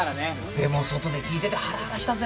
でも外で聞いててハラハラしたぜ。